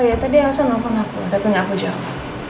ya tadi elsa nelfon aku tapi gak aku jawab